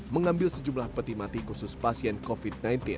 mengambil sejumlah peti mati khusus pasien covid sembilan belas